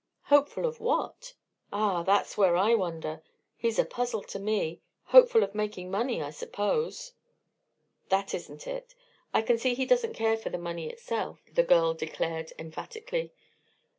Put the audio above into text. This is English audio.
"Hopeful of what?" "Ah! that's where I wander; he's a puzzle to me. Hopeful of making money, I suppose." "That isn't it. I can see he doesn't care for the money itself," the girl declared, emphatically.